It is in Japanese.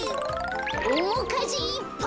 おもかじいっぱい！